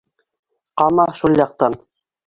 Ҡама шул яҡтан!